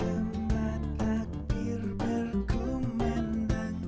gemah takbir berkumandang